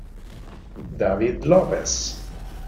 David Lopes